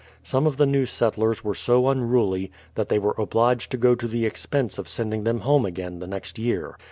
Some of the new settlers were so unruly, that they were obliged to go to the expense of sending them home again the next year.